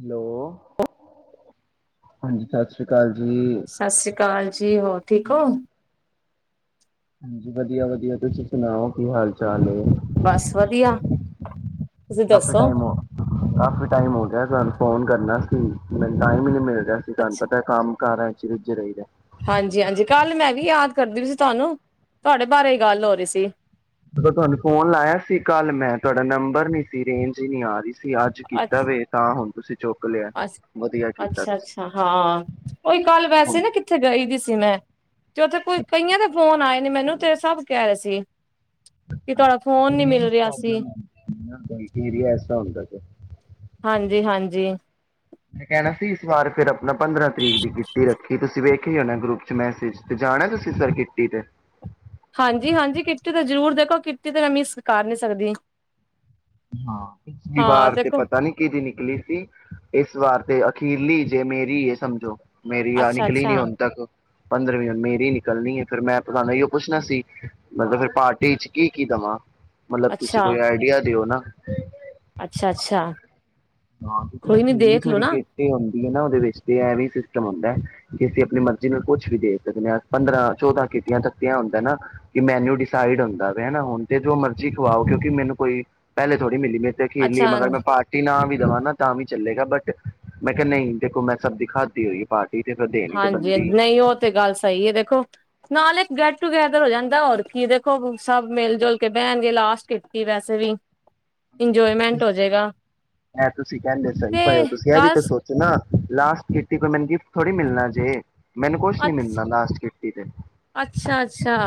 Hello ਹਾਂਜੀ ਸਤਿ ਸ੍ਰੀ ਅਕਾਲ ਜੀ। ਸਤਿ ਸ੍ਰੀ ਅਕਾਲ ਜੀ ਜੀ ਹੋਰ ਠੀਕ ਹੋ ਹਾਂਜੀ ਵਧੀਆ ਵਧੀਆ ਤੁਸੀਂ ਸੁਣਾਓ ਕੀ ਹਾਲ ਚਾਲ ਬਸ ਵਧੀਆ ਤੁਸੀਂ ਕਾਫੀ ਦੱਸੋ ਟਾਈਮ ਹੋ ਕਾਫੀ ਟਾਈਮ ਹੋ ਗਿਆ ਗ ਫੋਨ ਕਰਨਾ ਸੀ ਮੈ ਟਾਈਮ ਹੀ ਨੀ ਮਿਲ ਤੁਹਾਨੂੰ ਅੱਛਾ ਪਤਾ ਕੰਮ ਕਾਰ ਹੈ [unintelligible] ਹਾਂਜੀ ਹਾਂਜੀ ਕੱਲ ਮੈਂ ਵੀ ਯਾਦ ਕਰਦੀ ਸੀ ਤੁਹਾਨੂੰ ਤੁਹਾਡੇ ਬਾਰੇ ਹੀ ਗੱਲ ਹੋ ਰਹੀ ਸੀ ਤੁਹਾਨੂੰ, ਫੋਨ ਲਾਇਆ ਸੀ ਕੱਲ ਮੈਂ, ਤੁਹਾਡਾ ਨੰਬਰ ਨੀ ਸੀ, ਰੇਂਜ ਈ ਨੀਂ ਆ ਰਹੀ ਸੀ। ਅਸੀ, ਅੱਜ ਕੀਤਾ ਵੇ, ਤਾਂ, ਹੁਣ। ਤੁਸੀਂ ਚੁੱਕ ਲਿਆ। ਅਸ, ਵਧੀਆ ਕੀਤਾ ਤੁਸੀਂ। ਅੱਛਾ-ਅੱਛਾ ਹਾਂ, ਉਹੀ ਕੱਲ ਹੁਣ ਵੈਸੇ ਨਾ, ਕਿੱਥੇ ਗਈ ਦੀ ਸੀ, ਮੈਂ ਤੇ, ਉੱਥੇ ਕੋਈ ਅੱਛਾ, ਕਈਆਂ ਦੇ ਫੋਨ ਆਏ। ਮੈਨੂੰ ਤੇ, ਸਭ ਕਹਿ ਰਹੇ ਸੀ। ਕਿ ਤੁਹਾਡਾ ਫੋਨ ਨੀ ਮਿਲ ਰੇਂਜ ਰਿਹਾ ਸੀ ਪ੍ਰੌਬਲਮ ਹੋਂਦੀ ਏ ਨਾ, ਕੀ ਵੇਰੀ ਐਸਾ ਹੁੰਦਾ, ਫੇਰ। ਹਾਂਜੀ- ਹਾਂਜੀ। ਮੈਂ ਕਹਿਣਾ ਸੀ, ਇਸ ਵਾਰ ਫਿਰ ਆਪਣਾ ਪੰਦਰਾਂ ਤਰੀਕ ਦੀ ਕਿੱਟੀ ਰੱਖੀ ਤੁਸੀਂ ਵੇਖੇ ਹੋਣਾ ਗਰੁੱਪ ਚ ਮੈਸੇਜ ਤੇ। ਜਾਣਾ ਤੁਸੀਂ ਫੇਰ, ਕਿੱਟੀ ਤੇ? ਹਾਂਜੀ-ਹਾਂਜੀ ਕਿੱਟੀ ਤੇ ਜ਼ਰੂਰ ਦੇਖੋ, ਕਿੱਟੀ ਤੇ, ਮੈਂ ਮਿੱਸ ਕਾਰ ਨਹੀ ਸਕਦੀ। ਹਾਂ, ਪਿਛਲੀ ਹਾਂ ਵਾਰ ਤੇ, ਦੇਖੋ ਪਤਾ ਨੀ ਕਿਹਦੀ ਨਿਕਲੀ ਸੀ, ਏਸ ਵਾਰ ਤੇ ਅ ਕੀਰਲੀ ਜੇ ਮੇਰੀ ਏ, ਸਮਝੋ। ਮੇਰੀ, ਆਹ ਅੱਛਾ ਨਿਕਲੀ ਨੀ ਅੱਛਾ ਹੁਣ ਤੱਕ। ਪੰਦਰਵੀਂ ਹਣ ਮੇਰੀ ਨਿਕਲਣੀ ਏ, ਫੇਰ ਮੈਂ ਤੁਹਾਨੂੰ ਏਹੀੳ ਪੁਛਣਾ ਸੀ। ਮਤਲਬ ਫਿਰ ਪਾਰਟੀ ਚ ਕੀ, ਕੀ ਦਵਾਂ? ਮਤਲਬ ਤੁਸੀਂ ਅੱਛਾ ਕੋਈ ਆਈਡੀਆ ਦਿਓ ਨਾ। [unintelligible] ਅੱਛਾ, ਅੱਛਾ। ਨਾ, ਤੁ ਕੋਈ ਨੀ ਅਖੀਰਲੀ ਦੇਖ ਲੋ ਛੇੜੀ ਨਾ ਕਿਟੀ ਹੁੰਦੀ। ਨਾ ਉਹਦੇ ਵਿੱਚ ਤੇ ਐ ਵੀ ਸਿਸਟਮ ਹੁੰਦਾ ਕਿ, ਅਸੀਂ ਆਪਣੀ ਮਰਜ਼ੀ ਨਾਲ ਕੁੱਛ ਵੀ ਦੇ ਸਕਦੇ ਹਾਂ, ਪੰਦਰਾਂ, ਚੌਦਾਂ, ਕੀਤੀਆਂ ਥੱਕਿਆ ਹੁੰਦੈ ਨਾ, ਕਿ ਮੈਨੂ ਡਿਸਾਈਡ ਹੁੰਦਾ ਵੇ ਨਾ ਹੁਣ ਤੇ, ਜੋ ਮਰਜੀ ਖਵਾਓ ਕਿਉਂਕਿ, ਮੈਨੂੰ ਕੋਈ ਪਹਿਲੇ ਥੋ ਮਿਲੀ ਮੈਂ ਇਥ ਖੇਲੀ ਅੱਛਾ ਮਗਰ ਮੈਂ, ਪਾਰਟੀ ਨਾਲ ਵੀ ਤਾਂ ਵੀ ਚੱਲੇਗਾ ਬਟ, ਮੈਂ ਕਿਹਾ ਨਹੀਂ, ਦੇਖੋ ਮੈਂ ਸਭ ਦਿਖਾਤੀ ਹੋਈ ਪਾਰਟ ਹਾਂਜੀ, ਨਹੀਂ, ਉਹ ਤੇ, ਗੱਲ ਸਹੀ ਹੈ ਦੇਖੋ। ਨਾਲੇ ਇੱਕ ਗੈਟ ਟੂਗੈਦਰ ਹੋ ਜਾਂਦਾ ਹੋਰ ਕੀ ਏ, ਦੇਖੋ ਸਭ ਮਿਲ ਜੁਲ ਕੇ ਬਹਿਣਗੇ, ਲਾਸਟ ਕਿੱਟੀ ਏ ਵੈਸੇ ਵੀ। ਇੰਜੋਏਮੈਂਟ ਹੋਜੇਗਾ‌ ਇਹਂ ਤੁਸੀਂ ਕਹਿੰਦੇ ਹੋ ਸਹੀ ਭਏ ਹੋ, ਤੁਸੀਂ ਇਹ ਵੀ ਤੇ ਸੋਚੋ ਨਾ। ਲਾਸਟ ਕੀਟੀ, ਕੋਈ ਮੈਨੂੰ ਗਿਫਟ ਥੋੜੀ ਮਿਲਣਾ ਜੇ। ਮੈਨੂੰ, ਕੁਛ ਨੀ ਅੱਛ ਮਿਲਣਾ ਲਾਸਟ ਕਿੱਟੀ ਤੇ। ਅੱਛਾ ਅੱਛਾ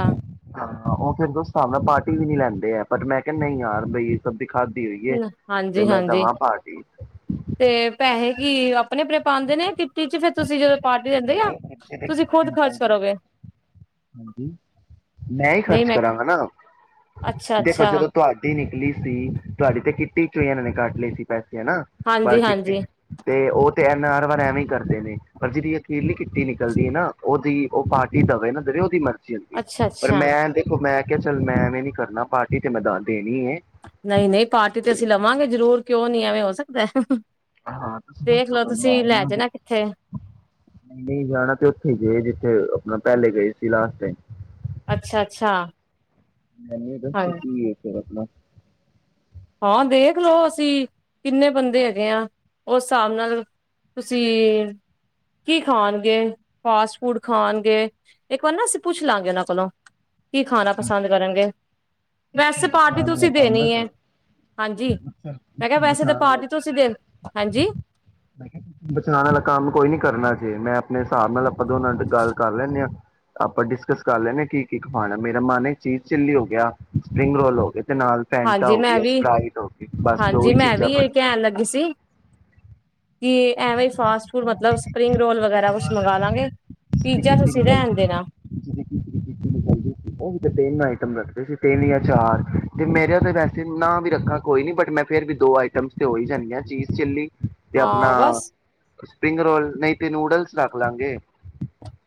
ਉਹ ਫੇਰ ੳਸ ਹਿਸਾਬ ਨਾਲ ਪਾਰਟੀ ਵੀ ਨੀ ਲੈਂਦੇ ਆ, ਬਟ ਮੈਂ ਕਿਹਾ ਨਹੀਂ ਯਾਰ ਬਈ ਸਭ ਖਾਧੀ ਹੋਈਏ ਤੇ, ਹਾਂਜੀ ਮੈਂ, ਦਵਾਂ ਪਾਰਟੀ ਤੇ ਪੈਹੇ ਕੀ, ਆਪਣੇ ਆਪਣੇ ਪਾਂਦੇ ਨੇ ਕਿੱਟੀ ਚ, ਫੇਰ ਤੁਸੀਂ ਜਦੋਂ ਪਾਰਟੀ ਦਿੰਦੇ ਆ ਤੁਸੀਂ ਖੁਦ ਖਰਚ ਕਰੋਗੇ ਹਜੀ ਮੈਂ ਹੀ ਖਰਚ ਕਰਾਂ ਗਾਂ, ਨਾ, ਅੱਛਾ ਦੇਖੋ, ਅੱਛਾ ਜਦੋਂ ਤੁਹਾਡੀ ਨਲ ਸੀ ਤੁਹਾਡੀ ਤੇ, ਕਿੱਟੀ ਚੋਂ ਹੀ ਇਹਨਾਂ ਨੇ ਕਾਟ ਲੇ ਸੀ ਪੈਸੇ। ਹਨਾ, ਬ, ਹਾਂਜੀ ਹਾਂਜੀ ਤੇ, ਉਹ ਤੈ ਹਰ ਵਾਰ ਐਵੇਂ ਕਰਦੇ ਨੇ ਪਰ ਜਿਹੜੀ ਜਿਦੀ ਕਿਿੱਟੀ ਨਿਕਲਦੀ ਹੈ ਨਾ ਉਹਦੀ ਉਹ ਪਟੀ ਦਵੇ ਨਾ ਜੀਵੇ ਉਹਦੀ ਮਰਜ਼ੀ ਅੱਛਾ ਪਰ ਅੱਛਾ ਮੈਂ ਦੇਖੋ ਮੈਂ ਚੱਲ ਮੈਂ ਐਵੇਂ ਨੀ ਕਰਨਾ ਪਾਰਟੀ ਤੇ ਮੈਂ ਦਾਂ ਦੇ ਨਹੀਂ ਨਹੀਂ ਪਾਰਟੀ ਤੇ ਅਸੀਂ ਲਵਾ ਆਵਾਂਗੇ ਜਰੂਰ ਕਿਉਂ ਨੀ ਐਵੇਂ ਹੋ ਸਕਦੈ ਹਾਂ ਤੁਸੀਂ ਨਾ ਜਾਣਾ ਕਿੱਥੇ ਨਹੀਂ ਜਾਣਾ ਤੇ ਉੱਥੇ ਗੇ ਜਿੱਥੇ ਆਪਣਾ ਪਹਿਲੇ ਗਏ ਸੀ ਲਾਸਟ ਟਾਈਮ ਅੱਛਾ ਅੱਛਾ ਮੈਨੂੰ ਇਹ ਦੱਸਦੇ ਹਾਂਜੀ ਕਿ ਹੈ ਫਿਰ ਆਪਣਾ ਹਾਂ ਦੇਖ ਲਓ ਅਸੀਂ ਕਿੰਨੇ ਬੰਦੇ ਹੈਗੇ ਆਂ ਉਸ ਸਾਬ ਨਾਲ ਤੁਸੀਂ ਕੀ ਖਣਗੇ ਫਾਸਟ ਫੂਡ ਖਾਣਗੇ ਇੱਕ ਵਾਰ ਨਾ ਅਸੀਂ ਪੁੱਛ ਲਾਂਗੇ ਉਹਨਾਂ ਕੋਲੋਂ ਕੀ ਖਾਣਾ ਪਸੰਦ ਕਰਨਗੇ ਵੈਸੇ ਪਾਰਟੀ ਤੁਸੀਂ ਦੇਣੀ ਏ ਬਚਾ ਬਚਾਣ ਅਲਾ ਪਾਰਟੀ ਤੁਸੀਂ ਦੇ ਹਾਂਜੀ ਮੈਂ ਕਿਹਾ ਬਚਾਣ ਅਲਾ ਕੰਮ ਕੋਈ ਨੀ ਕਰਨਾ ਜੇ ਮੈਂ ਆਪਣੇ ਆਪਾਂ ਦੋਨਾਂ ਤੇ ਗੱਲ ਕਰ ਲੈਨੇ ਆਂ ਆਪਾਂ ਡਿਸਕਸ ਕਰ ਲੈਨੇ ਕੀ ਕੀ ਖਾਣੈ ਮੇਰਾ ਮਨ ਏ ਚੀਜ਼ ਚਿੱਲੀ ਹੋ ਗਿਆ ਸਪ੍ਰਿੰਗ ਰੋਲ ਹੋਗੇ ਤੇ ਨਾਲ ਫੈਂਟਾ ਹਾਂਜੀ ਹੋਗੀ ਮੈਂ ਐ ਵੀ ਸਪ੍ਰਾਈਟ ਹੋਗੀ ਬਸ ਦੋ ਹਾਂਜੀ ਈ ਮੈਂ ਚੀਜ਼ਾਂ ਵੀ ਇਹ ਬਰੀਆਂ ਨੇ ਕਹਿਣ ਲੱਗੀ ਸੀ ਕਿ ਐਵੇਂ ਈ ਫਾਸਟ ਫੂਡ ਉਹਨਾਂ ਮਤਲਬ ਦੀ ਕੀਤੀ ਸਪਰਿੰਗ ਰੋਲ ਵਗੈਰਾ ਕੁਛ ਜਦੋਂ ਮੰਗਾ ਅਸੀਂ ਲਾਂਗੇ ਇਸ ਦੀ ਪੀਜਾ ਕੀਤੀ ਤੁਸੀਂ ਨਿਕਲ ਰਹਿਣ ਦੇਣਾ ਜਿਹਦੇ ਕੀ ਦੀ ਕੀਤੀ ਤੁਸੀ ਤਿੰਨ ਜਾਂ ਚਾਰ ਤੇ ਮੇਰਾ ਤਾਂ ਵੈਸੇ ਨ ਵੀ ਰੱਖਾਂ ਕੋਈ ਨੀ। ਬਟ ਮੈਂ ਫੇਰ ਵੀ ਦੋ ਆਈਟਮਸ 'ਤੇ ਹੋ ਈ ਜਾਂਦੀ ਹਾਂ। ਚੀਜ਼ ਚਿੱਲੀ ਤੇ ਆਪਣਾ ਹਾਂ। ਬਸ। ਸਪਰਿੰਗ ਰੋਲ ਨਈ ਤੇ ਨੂਡਲਸ ਰਖ ਲਾਂਗੇ।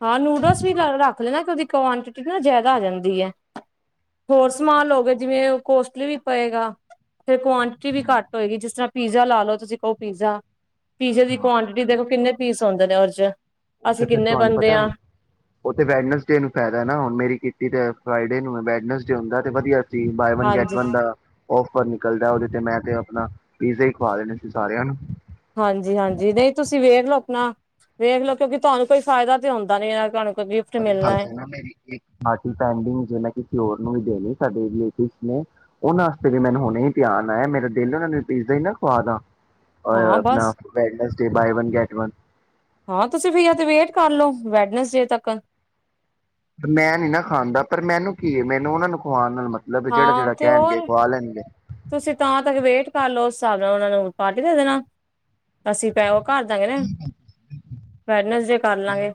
ਹਾਂ ਨੂਡਸ ਵੀ ਰੱਖ ਲੈਣਾ ਉਹਦੀ ਕੁਆਂਟਿਟੀ ਨਾ ਜ਼ਿਆਦਾ ਆ ਜਾਂਦੀ ਏ। ਹੋਰ ਸਮਾਨ ਲਓਗੇ ਜਿਵੇਂ ਕੋਸਟਲੀ ਵੀ ਪਏਗਾ। ਫਿਰ ਕੁਆਂਟਟੀ ਵੀ ਘੱਟ ਹੋਏਗੀ। ਜਿਸ ਤਰ੍ਹਾਂ ਪੀਜ਼ਾ ਲਾ ਲਓ। ਤੁਸੀਂ ਕਹੋ ਪੀਜ਼ਾ ਪੀਜ਼ੇ ਦੀ ਹਾਂ ਕੁਆਂਟਟੀ ਦੇਖੋ। ਕਿੰਨੇ ਪੀਸ ਆਉਂਦੇ ਨੇ ਔਹਦੇ ਚ। ਉਹ ਤੇ ਫਿਰ ਤੁਹਾਨੂੰ ਬੰਦੇ ਪਤਾ ਮ? ਹਾਂ ਉਥੇ ਵੈਡਨਸਡੇ ਨੂੰ ਫੇਦਾ ਏ ਨਾ, ਹੁਣ ਮੇਰੀ ਕੀਟੀ ਤੇ ਫਰਾਈਡੇ ਨੂੰ ਵੇਡਨਸਡੇ ਹੁੰਦਾ ਤੇ ਵਧੀਆ ਸ ਬਾਏ ਵਨ ਗੈਟ ਹਾਂਜੀ ਵਨ ਦਾ ਔਫ। ਪਰ ਨਿਕਲਦਾ ਉਦੇ ਤੇ ਮੈਂ ਤੇ ਆਪਣਾ ਪੀਜ਼ਾ ਈ ਖਵਾ ਦੇਣੇ ਸੀ। ਸਾਰਿਆਂ ਨੂੰ। ਹਾਂਜੀ-ਹਾਂਜੀ ਨਹੀਂ ਤੁਸੀਂ ਵੇਖ ਲਓ ਅਪਣਾ। ਵੇਖਲਓ। ਕਿਉਂਕਿ ਤੁਹਾਨੂੰ ਕੋਈ ਫਾਇਦਾ ਤੇ ਹੁੰਦਾ ਨੀ। ਕੋਈ ਗਿਫਟ ਪਡਿੰਗ ਮਿਲਣਾ ਹੈ ਜਿੜ ਕਿ ਪਿਓਰ ਨੂੰ ਵੀ ਦੇ ਲਈ [unintelligible] ਸਾਡੇ ਰੇਲਤਿਵ ਨੇ ਉਹਨਾਂ ਵਾਸਤੇ ਵੀ ਮੈਨੂੰ ਹੁਣੇ ਧਿਆਨ ਆਇਆ ਮੇਰਾ ਦਿਲ ਉਹਨਾਂ ਨੂੰ ਪੀਜਦਾ ਹੀ ਨਾ ਖਵਾ ਦਾ ਹਾਂ ਬਸ ਬਾਈ ਗੈਟ ਹਾਂ ਤੁਸੀਂ ਫ ਤੇ ਵੇਟ ਕਰ ਲਓ ਵੈਡ ਨਸਡੇ ਤੱਕਨ ਮੈਂ ਨੀ ਨਾ ਖਾਣਦਾ ਪਰ ਮੈਨੂੰ ਕੀ ਮੈਨੂੰ ਉਹਨਾਂ ਨੁਕਵਾਉਣ ਨਾਲ ਮਤਲਬ ਹੈ, ਜਿਹੜਾ ਹਾਂ ਜਿਹੜਾ ਉੱਥੇ ਕਹਿਣਗੇ ਹੋਰ ਖਵਾ ਲੈਣਗੇ ਤੇ ਤਾਂ ਤੱਕ ਵੇਟ ਕਰਲਓ ਤੁਹਾਡੇ ਨਾਲ ਉਹਨਾਂ ਨੂੰ ਪਾਰਟੀ ਦੇ ਦੇਣਾ ਅਸੀਂ ਪੈ ਕਰ ਦਾ ਗੇ ਨਾ ਵੈਨਸਡੇ ਕਰ ਲਾਂਗੇ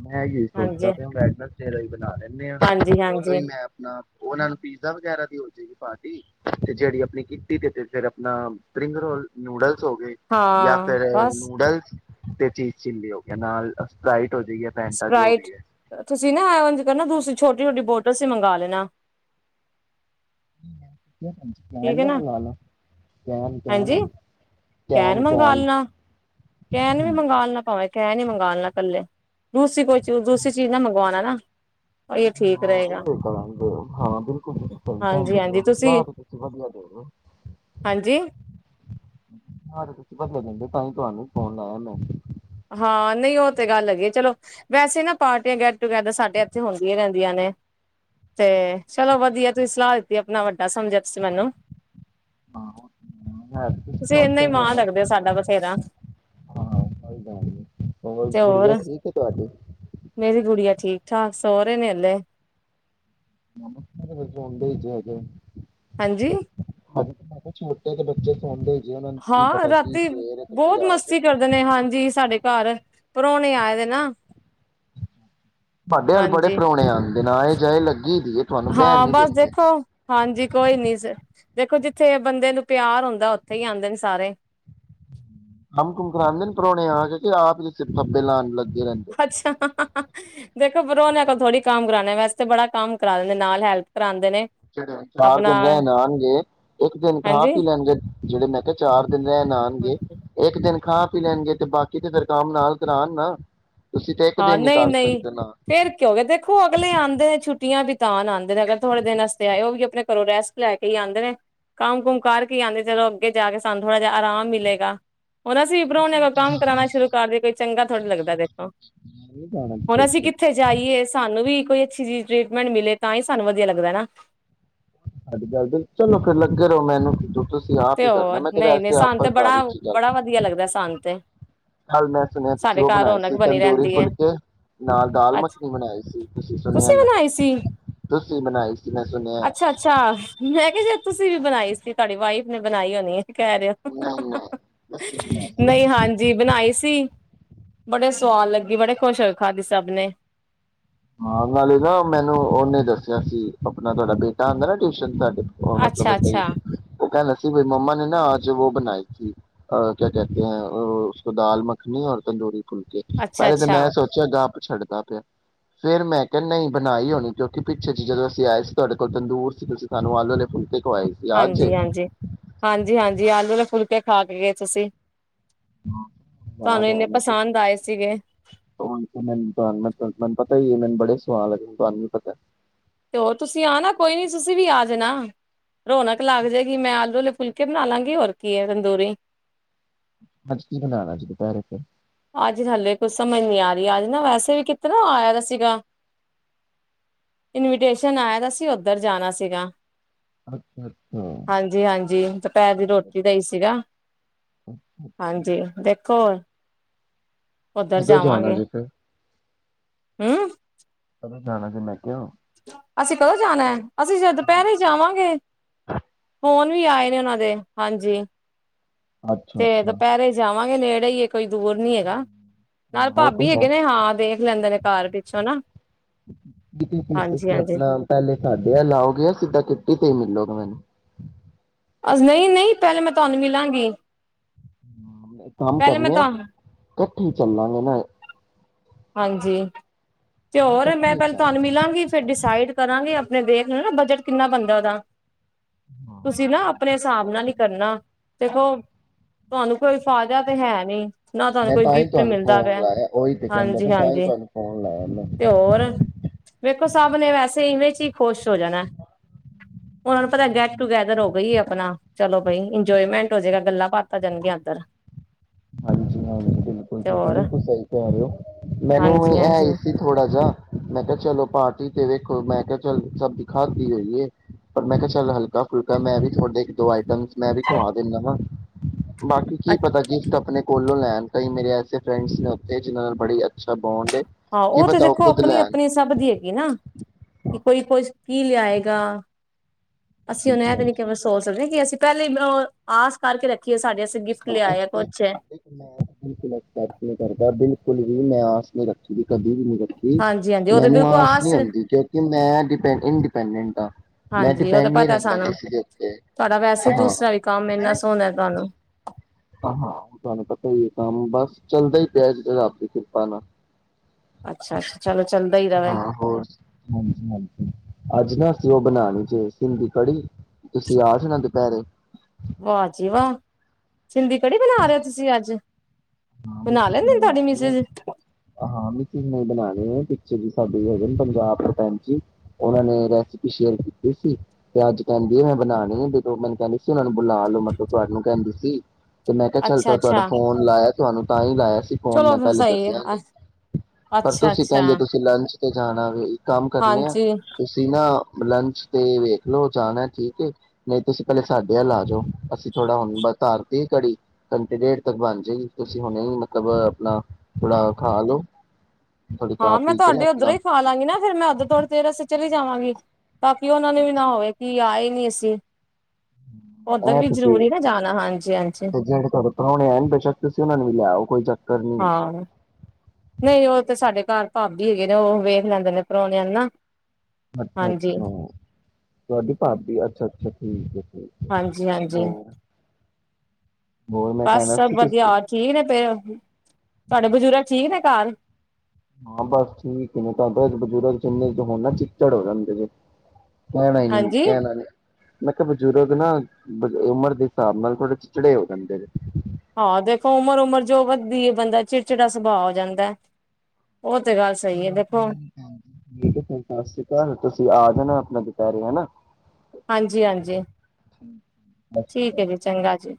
ਮੈਂ ਇ ਸੋਚਦਾ ਹਾਂਜੀ ਵੈਡਨਸੇ ਹੀ ਬਣਾ ਲੈਂਦੇ ਹਾਂ ਹਾਂਜੀ ਤੇ ਉਦੋਂ ਹੀ ਹਾਂਜੀ ਮੈਂ ਆਪਣਾ ਉਹਨਾਂ ਨੂੰ ਪੀਜ਼ਾ ਵਗੈਰਾ ਦੀ ਹੋ ਜਾਏਗੀ ਪਾਾਰਟੀ ਤੇ ਜਿਹੜੀ ਆਪਣੀ ਕੀਟੀ ਤ ਤੇ ਫਿਰ ਆਪਣਾ ਸਪਿੰਗ ਰੋਲ ਨੂਡਲ ਹੋ ਗਏ ਜਾਂ ਹਾਂ ਫਿਰ ਬਸ ਨੂਡਲਸ ਤੇ ਚੀਜ਼ ਚਿੱਲੀ ਹੋ ਗਿਆਈ ਨਾਲ ਸਪਰਾਇਟ ਸਪ੍ਰਾਈਟ ਤੁਸੀਂ ਨਾ ਉਂਜ ਪਹਿਲਾਂ ਦੂਸਰੀ ਛੋਟੀ ਛੋਟੀ ਬੋਟਲ ਸੀ ਮੰਗਾ ਲੈਣਾ ਠੀਕ ਹੈ ਨਾ ਹਾਂਜੀ ਕੈਨ ਮੰਗਵਾ ਲੈਣਾ [inaudible] ਕਹਿ ਨੀ ਮੰਗ ਲਣਾ ਇਕੱਲੇ ਦੂਸਰੀ ਕੋਈ ਚਜ਼ ਦੂਸਰੀ ਚੀਜ਼ ਨਾ ਮੰਗਵਾਉਣਾ ਨਾ ਇਹ ਠੀਕ ਹਾਂ ਰਹੇਗਾ [unintelligible] ਹਾਂ ਬਿਲਕੁਲ [inaudible] ਤੁਸੀਂ ਹਾਂਜੀ-ਹਾਂਜੀ ਤੁਸੀਂ ਹਾਂਜੀ [unintelligible] ਤਾਂ ਹੀ ਤੁਹਾਨੂੰ ਫੋਨ ਲਾਇਆ ਮੈਂ ਹਾਂ ਨਹੀਂ ਉਹ ਤੇ ਗੱਲ ਹੈਗੀ ਹੈ ਚਲੋ ਵੈਸੇ ਨਾ ਪਾਰਟੀਆਂ ਗੈਟ ਟੂਗੈਦਰ ਸਾਡੇ ਇੱਥੇ ਹੁੰਦੀਆਂ ਰਹਿੰਦੀਆਂ ਨੇ ਤੇ ਚਲੋ ਵਧੀਆ ਤੁਸੀਂ ਸਲਾਹ ਦਿੱਤੀ ਆਪਣਾ ਵੱ ਸਮਝਿਆ ਤੁਸੀਂ ਮੈਨੂੰ ਹਾਂ ਹਾਂ ਤੁਸੀਂ ਇਨਾ ਹੀ ਮਾਂ ਲਗਦੇ ਹੋ ਸਾਡਾ ਬਥੇਰਾ ਹ ਹੋਰ ਗੁੜੀਆਂ ਠੀਕ ਹੈ ਤੁਹਾਡੀੇ ੱਛਾ ਸੋਹਰੇ ਨੇ ਹਲੇੇ [inaudible] [inaudible] ਹਾਂਜੀ ਤੇ ਤੁਹਾਡੇ ਹਾਂ ਰਾਤੀ ਬਹੁਤ ਰਾਤ ਹੈ ਮਸਤੀ ਕਰਦੇ ਨੇ ਹਾਂਜੀ ਸਾਡੇ ਘਰ ਪਰੋਣੇ ਆਏ ਦੇ ਨਾ ਤੁਹਾਡੇ ਅਲ ਬੜੇ ਹਾਂਜੀ ਪ੍ਰਾਹੁਣੇ ਆ ਬਨਾਏ ਜਾਏ ਲੱ ਹਾਂ ਬਸ ਦੇਖੋ ਹਾਂਜੀ ਕੋਈ ਨੀ ਦੇਖੋ ਜਿੱਥੇ ਬੰਦੇ ਨੂੰ ਪਿਆਰ ਹੁੰਦਾ, ਉੱਥੇ ਹੀ ਆਉਂਦੇ ਨੇ ਸਾਰੇ ਕੰਮ ਕੂੰਮ ਕਰਾਉਂਦੇ ਨੇ ਪ੍ਰਾਹੁਣੇ ਆ ਕੇ ਆਪ ਹੀ [unintelligible] ਲਾਉਣ ਲੱ ਅੱਛਾ ਹ ਹ ਹ ਹ ਦੇਖੋ ਪ੍ਰੋਹ ਨੇ ਥੋੜ੍ਹੀ ਕੰਮ ਕਰਾਉਣ, ਵੈਸੇ ਬੜਾ ਕੰਮ ਕਰਾ ਦਿੰਦੇ ਨਾਲ ਹੈਲਪ ਕਰਾ ਚਾਰ ਦਿਨ ਰਹਿਣ ਆਉਣਗੇ, ਇੱਕ ਦਿਨ ਖਾਂ ਪੀ ਹਾਂਜੀ ਲੈਣਗੇ। ਜਿਹੜੇ ਮੈਂ ਕਿਹਾ ਚਾਰ ਦਿਨ ਰਹਿਣ ਆਉਣਗੇ ਇੱਕ ਦਿਨ ਖਾ ਪੀ ਲੈਣਗੇ ਤੇ ਬਾਕੀ ਤੇ ਫੇਰ ਕੰਮ ਨਾਲ ਕਰਾਉਣ ਨਾ ਤੇ ਇੱਕ ਹਾਂ ਦਿਨ ਨਹੀਂ ਕਰ ਨਹੀਂ ਸਕਦੇ ਨਾ ਫੇਰ ਕੀ ਹੋ ਗਿਆ, ਦੇਖੋ ਅਗਲੇ ਆਉਂਦੇ ਆ ਛੁੱਟੀਆਂ ਵਿੱਚ ਸਾਨ ਆਉਂਦੇ ਨੇ ਅਗਰ ਥੋੜੇ ਦਿਨ ਹਸਤੇ ਆਏ, ਉਹ ਵੀ ਆਪਣੇ ਘਰੋਂ ਰੈਸਟ ਲੈ ਕੇ ਹੀ ਆਉਂਦੇ ਨੇ, ਕੰਮ ਕੁਮ ਕਰਕੇ ਆਉਂਦੇ ਚਲੋ ਅੱਗੇ ਜਾ ਕੇ ਸਾਨੂੰ ਥੋੜ੍ਹਾ ਜਿਹਾ ਆਰਾਮ ਮਿਲੇਗਾ। ਹੁਣ ਅਸੀਂ ਵੀ ਪ੍ਰਰਾਣੇ ਕੋਈ ਕੰਮ ਕਰਾਣਾ ਸ਼ੁਰੂ ਕਰਦਈਏ ਕੋਈ ਚੰਗਾ ਥੋੜ੍ਹਾ ਲੱਗਦਾ ਦੇਖੋ। ਨਹੀਂ ਜਾਣਾ ਹੁਣ, ਅਸੀਂ ਕਿੱਥੇ ਜਾਈਏ ਸਾਨੂੰ ਵੀ ਕੋਈ ਅੱਛੀ ਚੀਜ਼ ਟਰੀਟਮੈਂਟ ਮਿਲੇ ਤਾਂ ਹੀ ਸਾਨੂੰ ਵਧੀਆ ਲੱਗਦਾ ਨਾ ਤੁਹਾਡੀ ਗੱਲ ਬਿਲ, ਚਲੋ ਫੇਰ ਲੱਗੇ ਰਹੋ ਮੈਨੂੰ ਕੀ [unintelligible] ਤੇ ਹੋਰ ਨਹੀਂ ਨਹੀਂ, ਸਾਨੂੰ ਤੇ ਬੜਾ ਬੜਾ ਵਧੀਆ ਲੱਗਦਾ ਸਾਨੂੰ ਤੇ ਹੱਲ ਮੈਂ ਸੁਣਿਆ, ਤੁਸੀਂ ਸਾਡੇ ਉਹ ਘਰ ਬਣਾਈ ਰੌਣਕ ਸੀ, ਬਣੀ ਤੰਦੂਰੀ ਰਹਿੰਦੀ ਹੈ ਫੁਲਕੇ ਨਾਲ ਦਾਲ ਅੱਛਾ -ਮੱਖਣੀ ਬਣਾਈ ਸੀ। ਤੁਸੀਂ ਸੁਣਿਆ- ਮੈਂ ਬਣਾਈ ਸੀ ਤੁਸੀ ਬਣਾਈ ਸੀ ਮੈਂ ਸੁਣਿਆ। ਅੱਛਾ-ਅੱਛਾ, ਮੈਂ ਕਿਹਾ ਸ਼ਾਇਦ ਤੁਸੀਂ ਵੀ ਬਣਾਈ ਸੀ। ਤੁਹਾਡੀ ਵਾਈਫ ਨੇ ਬਣਾਈ ਹੋਣੀਏ। ਕਹਿ ਰਿਹਾ। ਨਹੀਂ ਨਹੀਂ ਅਸੀਂ ਬਣਾਈ ਨਾ ਨਹੀਂ ਹਾਂਜੀ, ਬਣਾਈ ਸੀ। ਬੜੇ ਸਆਦ ਲੱਗੀ। ਬੜੇ ਖੁਸ਼ ਹੋਏ ਖਾਂਦੇ ਸਭ ਨੇ। ਹਾਂ, ਨਾਲੇ ਦਾ ਮੈਨੂੰ ਉਹਨੇ ਦੱਸਿਆ ਸੀ, ਆਪਣਾ ਤੁਹਾਡਾ ਬੇਟਾ ਆਉਂਦਾ ਨਾ ਟਿਊਸ਼ਨ ਤੁਹਾਡੇ ਮਤਲਬ ਅੱਛਾ-ਅੱਛਾ, ਬ ਉਹ ਕਿਹ ਮੇਰੀ ਮੰਮਾ ਨੇ ਨਾ ਆਜ ਉਹ ਬਣਾਈ ਥੀ। ਆਹ ਕਿਆ ਕਹਿਤੇ ਹੈ, ਆਹ ਉਸ ਕੋ ਦਾਲ- ਮੱਖਣੀ ਔਰ ਤੰਦੂਰੀ ਫੁਲਕੇ, ਪਹਿਲੇ ਤਾਂ ਅੱਛਾ-ਅੱਛਾ, ਮੈਂ ਸੋਚਿਆ ਗਾਂ ਛੱਡਦਾ ਪਿਆ। ਫੇਰ ਮੈਂ ਕਿਹਾ -ਨਹੀਂ ਬਣਾਈ ਹੋਣੀ, ਕਿਉਂਕਿ ਪਿੱਛੇ ਚ ਜਦੋਂ ਅਸੀਂ ਆਏ ਸੀ ਤੁਹਾਡੇ ਕੋਲ ਤੰਦੂਰ ਸੀ ਤੁਸੀਂ ਸਾਨੂੰ ਆਲੂ ਵਾਲੇ ਫੁਲਕੇ ਖਵਾਏ ਸੀ ਯਾਦ ਜੇ ਹਾਂਜੀ- ਹਾਂਜੀ, ਹਾਂਜੀ -ਹਾਂਜੀ ਆਲੂ ਵਾਲੇ ਫੁੱਲਕੇ ਖਾ ਕੇ ਗਏ ਤੁਸੀਂ ਤੁਹਾਨੂੰ ਯਾਦ ਆ ਗਿਆ ਇੰਨੇ ਮੈਨੂੰ ਪਸੰਦ ਆਏ ਸੀਗੇ, ਤਾਂ [unintelligible] ਤਾ ਮੈਨੂੰ ਬੜੇ ਸਵਾਦ ਲੱਗੇ। ਤੁਹਾਨੂੰ ਵੀ ਪਤਾ। ਤੇ ਹੋਰ ਤੁਸੀਂ ਆ ਨਾ ਕੋਈ ਨੀ, ਤੁਸੀਂ ਵੀ ਆ ਜਾਣਾ। ਰੌਣਕ ਲੱਗ ਜਾਏਗੀ। ਮੈਂ ਆਲੂ ਵਾਲੇ ਫੁਲਕੇ ਬਣਾ ਲਾਂਗੀ, ਹੋਰ ਕੀ ਹੈ ਤੰਦੂਰੀ। ਅੱਜ ਕੀ ਬਣਾਉਣਾ ਜੀ, ਦੁਪਹਿਰੇ ਫੇਰ। ਅੱਜ ਹਾਲੇ ਕੁਛ ਸਮਝ ਨੀ ਆ ਰਹੀ, ਅੱਜ ਨਾ ਵੈਸੇ ਵੀ ਕਿਤਰ ਆਇਆ ਦਾ ਸੀਗਾ। ਇਨਵੀਟੇਸ਼ਨ ਆਇਆ ਦਾ ਸੀ ਉਧਰ ਜਾਣਾ ਸੀਗਾ। ਅੱਛਾ ਅੱਛਾ ਹਾਂਜੀ -ਹਾਂਜੀ ਦੁਪਹਿਰ ਦੀ ਰੋਟੀ ਦਾ ਹੀ ਸੀਗਾ। ਹਾਂਜੀ, ਦੇਖੋ। ਉੱਧਰ ਕਦੋਂ ਜਾਣਾ ਜਾਵਾਂਗੇ ਜੇ ਫਿਰ ਹੂੰ। ਕ ਜਾਣਾ ਸੀ। ਮੈਂ ਕਿਉਂ ਅਸੀਂ ਕਦੋਂ ਜਾਣਾ ਹੈ? ਅਸੀਂ ਸਾਇਦ ਦੁਪਹਿਰੇ ਜਾਵਾਂਗੇ। ਫੋਨ ਤੁਸੀ ਆਏ ਨੇ ਉਹਨਾਂ ਦੇ, ਹਾਂਜੀ। ਅੱਛਾ ਤੇ ਅੱਛਾ ਦੁਪਹਿਰੇ ਜਾਵਾ ਤਾਵੀ ਨੇੜੇ ਹੀ ਆ। ਕੋਈ ਦੂਰ ਨੀ ਹੈਗਾ, ਨਾਲ ਹਾਂ ਉਹ ਤੇ ਭਾਬੀ ਹੈ ਹੈਗੇ ਨੇ ਹਾਂ, ਦੇਖ ਲੈਂਦੇ ਨੇ ਘਰ ਪਿੱਛੋਂ ਹਨਾਂ। ਕਿਤੇ ਤੁਸੀਂ ਆਪਣਾ ਪਹਿਲੇ ਸਾਡੇ ਵੱਲ ਆਉਗੇ, ਸਿੱਧਾ ਕਿੱਟੀ ਤੇ ਹੀ ਮਿਲੋਗੇ ਮੈਨੂੰ ਨਹੀਂ- ਨਹੀਂ, ਪਹਿਲੇ ਮੈਂ ਤੁਹਾਨੂੰ ਮਿਲਾਂਗੀ। ਹੂੰ। ਕੰਮ ਪਹਿਲੇ ਮੈਂ ਕਰਨੇ ਆ। ਤਾਂ ਇਕੱਠੇ ਚੱਲਾਂਗੇ ਨਾ। ਹਾਂਜੀ। ਤੇ ਨਾ ਹੋਰ ਇਕੱਠੇ ਮੈਂ ਹੀ ਪਹਿਲਾ ਤੁਹਾਨੂੰ ਚੱਲਣਾ ਮਿਲਾਂਗੀ ਫੇਰ ਡਿਸਾਈਡ ਕਰਾਂਗੀ। [unintelligible] ਦੇਖ ਲੈਣ ਨਾ ਬਜਟ ਕਿੰਨਾ ਬਣਦਾ ਉਹਦਾ। ਤੁਸੀਂ ਨਾ ਆਪਣੇ ਹਿਸਾਬ ਹਾਂ ਨਾਲ ਹੀ ਕਰਨਾ ਦੇਖੋ ਤੁਹਾਨੂੰ ਕੋਈ ਫਾਇਦਾ ਤੇ ਹੈ ਨੀ। ਨਾ ਮੈਂ ਤਾਂ ਹੀ ਤੁਹਾਨੂੰ ਫ਼ੋਨ ਲਾਇਆ ਉਹੀ ਦੇਖ ਹਾਂਜੀ-ਹਾਂਜੀ ਤੇ ਹੋਰ ਵੇਖੋ ਸਭ ਨੇ ਵੈਸੇ ਇਵੇਂ ਚ ਹੀ ਖ਼ੁਸ਼ ਹੋ ਜਾਣਾ। ਉਹਨਾਂ ਨੂੰ ਪਤਾ ਗੈਟ ਟੂਗੈਦਰ ਹੋ ਗਈ ਏ। ਆਪਣਾ ਚਲੋ ਬਾਈ ਇੰਜੋਏਮੈਂਟ ਹੋਜੇਗਾ, ਗੱਲਾਂ ਬਾਤਾਂ ਹੋ ਜਾਣਗੀਆਂ ਇੱਧਰ। ਹਾਂਜੀ-ਹਾਂਜੀ ਬਿਲਕੁਲ, ਬਿਲਕੁਲ ਸਹੀ ਕਿਹਾ। ਮੈਨੂੰ ਹਾਂਜੀ ਹੈ ਹਾਂਜੀ ਹੀ ਸੀ ਥੋੜਾ ਜਿਹਾ, ਮੈਂ ਕਿਹਾ ਚਲੋ ਪਾਠ ਠੀਕ ਏ ਵੇਖੋ ਮੈਂ ਕਿਹਾ ਚੱਲ ਸਭ ਹੀ ਖਾਦੀ ਹੋਈ ਏ, ਪਰ ਮੈਂ ਕਿਹਾ ਚੱਲ ਹਲਕਾ ਫੁਲਕਾ ਮੈਂ ਵੀ ਤੁਹਾਡੇ ਤੋਂ ਦੋ ਆਈਟਮ ਮੈਂ ਵੀ ਖਵਾ ਦਿੰਦਾ ਵਾ। ਬਾਕੀ ਕੀ ਪਤਾ ਕੀ ਆਪਣੇ ਕੋਲੋਂ ਲੈਣ ਕਈ ਮੇਰੇ ਐਸੇ ਫਰੈਂਡਸ ਨੇ ਉੱਥੇ ਜਿੰਨਾ ਨਾਲ ਬੜੀ ਅੱਛਾ ਬੌਂਡ ਏ ਹਾਂ, ਕੀ ਉਹ ਤੇ ਪਤਾ ਦੇਖੋ ਖੁਦ ਲੈਣ ਆਪਣੀ-ਆਪਣੀ ਸਭ ਦੀ ਹੈਗੀ ਨਾ ਕਿ ਕੋਈ ਕੁਛ ਕੀ ਲਿਆਏਗਾ। ਅਸੀਂ ਹੁਣ ਹਾਂਜੀ ਇਹ ਤੇ ਨੀ ਹਾਂਜੀ ਕਿਵੇਂ ਸੋਚ ਸਕਦੇ ਕਿ ਅਸੀਂ ਪਹਿਲੇ ਆਸ ਕਰਕੇ ਰੱਖੀਏ ਸਾਡੇ ਗਿਫਟ ਲਿਆਏ ਆ ਕੁਛ ਬਿਲਕੁਲ ਮੈਂ ਅਸੈਪਟ ਨਹੀਂ ਕਰਦਾ ਬਿਲਕੁਲ ਵੀ ਮੈ ਆਸ ਨੀ ਰੱਖੀ ਦੀ। ਕਦੇ ਵੀ ਨੀ ਰੱਖੀ ਹਾਂਜੀ ਹਾਂਜੀ ਉਹ ਤੇ ਮੈਨੂੰ ਬਿਲਕੁਲ ਆਸ ਨਹੀ ਹੁੰਦੀ ਕਿਉਂਕਿ ਮੈਂ ਡਪ ਇੰਡੀਪੈਂਡਟ ਹ ਮੈਂ ਹਾਂਜੀ ਉਹ ਤਾਂ ਡਿਪੈਂਡ ਨੀ ਪਤਾ ਰਹਿੰਦਾ ਸਾਨੂੰ ਕਿਸੇ ਦੇ ਉੱਤੇ ਤੁਹਾਡਾ ਵੈਸੇ ਹਾਂ। ਦੂਸਰਾ ਵੀ ਕੰਮ ਇੰਨਾ ਸੋਹਣਾ ਤੁਹਾਨੂੰ ਹਾਂ-ਹਾਂ ਉਹ ਤੁਹਾਨੂੰ ਪਤਾ ਹੀ ਹੈ ਕੰਮ ਬਸ ਚੱਲਦਾ ਹੀ ਪਿਆ ਰੱਬ ਦੀ ਕਿਰਪਾ ਨਾਲ। ਅੱਛਾ ਅੱਛਾ ਚਲੋ ਚੱਲਦਾ ਹੀ ਰਵੇ ਹਾਂ ਹੋਰ ਹਾਂਜੀ-ਹਾਂਜੀ ਅੱਜ ਨਾ ਅਸੀਂ ਉਹ ਬਣਾ ਸਿੰਦੀ ਖੜੀ ਤੁਸੀਂ ਆਸ਼ ਨਾ ਦੁਪਹਿਰੇ। ਵਾ ਜੀ ਵਾਹ। ਸਿੰਦੀ ਕੜੀ ਬਣਾ ਰਹੇ ਹੋ ਤੁਸੀਂ ਅੱਜ। ਹਾਂ ਮਿਸਿਜ ਨੇ ਲੈਂਦੇ ਬਣਾ ਤੁਹਾਡੀ ਲਈ ਏ, ਮਿਸਿਜ ਹਾਂ ਮਿਸਿਜ ਨਹੀਂ ਬਣਾ ਪਿੱਛੇ ਜੀ ਸਾਡੇ ਹੈਗੇ ਪੰਜਾਬ ਤੋਂ ਭੈਣ ਜੀ। ਉਹਨਾਂ ਨੇ ਰੈਸਪੀ ਸ਼ੇਅਰ ਕੀਤੀ ਸੀ ਤੇ ਅੱਜ ਕਹਿੰਦੀ ਮੈਂ ਬਣਾਣੀ ਏ ਮੈਨੂੰ ਕਹਿੰਦੀ ਸੀ ਉਹਨਾਂ ਨੂੰ ਬੁਲਾ ਲੋ ਮਤਲਬ ਤੁਹਾਨੂੰ ਕਹਿੰਦੀ ਸੀ। ਤੇ ਮੈਂ ਕਿਹਾ ਚੱਲ ਅੱਛਾ ਤ ਤੁਹਾਡਾ ਅੱਛਾ ਫੋਨ ਲਾਇਆ ਤੁਹਾਨੂੰ ਤਾਂ ਹੀ ਲਾਇਆ ਫੋਨ ਚਲੋ ਮੈਂ ਫਿਰ ਪਹਿਲੇ ਸਹੀ ਦੱਸਿਆ ਹੈ ਨੀ, ਪਰ ਅੱਛਾ ਤੁਸੀਂ ਅੱਛਾ ਕਹਿੰਦੇ ਤੁਸੀਂ ਲੰਚ ਤੇ ਜਾਣਾ ਵੇ ਇੱਕ ਕੰਮ ਕਰਨੇ ਆ ਹਾਂਜੀ ਤੁਸੀਂ ਨਾ ਲੰਚ ਤੇ ਵੇਖਲਓ ਜਾਣਾ ਠੀਕ ਐ ਨਹੀਂ ਤੁਸੀਂ ਪਹਿਲੇ ਸਾਡੇ ਵੱਲ ਆ ਜਾਓ ਅਸੀਂ ਥੋੜਾ ਹੁਣ ਧਾਰਤੀ ਘੜੀ ਘੰਟੇ ਡੇਢ ਤੱਕ ਬਣ ਬਨ ਜੇਗੀ। ਤੁਸੀਂ ਹੁਣੇ ਮਤਲਬ ਆਪਣਾ ਥੋੜਾ ਖਾ ਲਓ। ਥੋੜੀ ਖਾ ਹਾਂ ਮੈਂ ਪੀ ਕੇ ਨਾ ਤੁਹਾਡੇ ਉੱਧਰੋ ਆਪਣਾ ਹੀ ਖਾ ਲਾਂਗੀ ਨਾ ਫ਼ਿਰ ਮੈਂ ਉੱਧਰ [unintelligible] ਜਾਵਾਂਗੇ ਤਾਂ ਕਿ ਉਹਨਾ ਨੂੰ ਵੀ ਨਾ ਹੋਵੇ ਕਿ ਆਏ ਨੀ ਅਸੀਂ ਉੱਧਰ ਵੀ ਜ਼ਰੂਰੀ ਨਾ ਜਾਣਾ ਹਾਂਜੀ ਹਾਂਜੀ ਤੇ ਜਿਹੜੇ ਤੁਹਾਡੇ ਪ੍ਰਾਹੁਣੇ ਆ ਬੇਸ਼ੱਕ ਤੁਸੀਂ ਉਹਨਾ ਨੂੰ ਵੀ ਲਿਆਓ ਕੋਈ ਜਾ ਹਾਂ ਨਹੀਂ ਉਹ ਤੇ ਸਾਡੇ ਘਰ ਭਾਬੀ ਹੈਗੇ ਨੇ ਉਹ ਵੇਖ ਲੈਂਦੇ ਨੇ ਪ੍ਰੋਹਣਿਆ ਨੂੰ ਨਾ ਅੱਛਾ ਹਾਂਜੀ ਅੱਛਾ ਤੁਹਾਡੀ ਭਾਬੀ ਅੱਛਾ ਅੱਛਾ [unintelligible] ਹਾਂਜੀ ਹਾਂਜੀ ਹੋਰ ਹੋਰ ਮੈਂ ਬਸ ਕਹਿਣਾ ਸੀ ਵਧੀਆ ਤੁਸੀਂ ਠੀਕ ਨੇ ਤੇ ਤੁਹਾਡੇ ਬਜ਼ੁਰੂਗ ਠੀਕ ਨੇ [unintelligible] [unintelligible] ਬਜ਼ੁਰਗ ਜਿੰਨੇ ਹੁਣ ਨਾ ਚਿਚੜ ਹੋ ਜਾਂਦੇ ਕਹਿਣਾ ਨੀ ਹਾਂਜੀ ਕਹਿਣਾ ਨੀ ਮੈਂ ਕਿਹਾ ਬਜ਼ੁਰਗ ਉਮਰ ਦੇ ਹਿਸਾਬ ਨਾਲ ਥੋੜੇ ਚਿਚੜੇ ਹੋ ਜਾਂਦੇ ਨੇ ਹਾਂ ਦੇਖੋ ਉਮਰ ਉਮਰ ਜੋ ਵਧਦੀ ਹੈ ਬੰਦਾ ਚਿੜਚਿੜਾ ਸੁਭਾਅ ਹੋ ਜਾਂਦਾ ਉਹ ਤੇ ਗੱਲ ਸਹੀ ਹੈ ਚਲੋ ਦੇਖੋ ਕੋਈ ਸਤਿ ਸ੍ਰੀ ਅਕਾਲ ਤੁਸੀਂ ਆ ਜਾਣਾ [unintelligible] ਹਾਂਜੀ ਹਾਂਜੀ ਠੀਕ ਹੈ ਜੀ ਚੰਗਾ ਜੀ